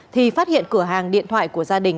thì phát hiện cửa hàng điện thoại của gia đình